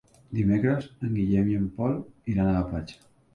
Dimecres en Guillem i en Pol iran a la platja.